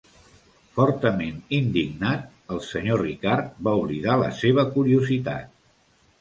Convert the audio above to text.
Fortament indignat, el Sr. Ricard va oblidar la seva curiositat.